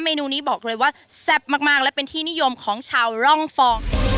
นูนี้บอกเลยว่าแซ่บมากและเป็นที่นิยมของชาวร่องฟอง